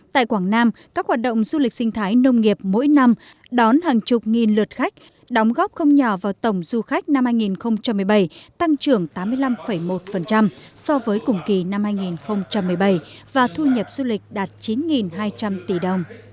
tại quảng nam các hoạt động du lịch sinh thái nông nghiệp mỗi năm đón hàng chục nghìn lượt khách đóng góp không nhỏ vào tổng du khách năm hai nghìn một mươi bảy tăng trưởng tám mươi năm một so với cùng kỳ năm hai nghìn một mươi bảy và thu nhập du lịch đạt chín hai trăm linh tỷ đồng